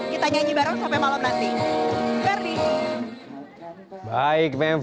kita nyanyi bareng sampai malam nanti